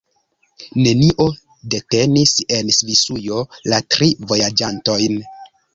Nenio detenis en Svisujo la tri vojaĝantojn.